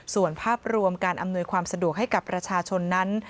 ส่วนภาพรวมการอำนวยความสะดวกให้กับประชาชนนั้น